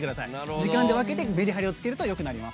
時間で分けてメリハリをつけるとよくなります。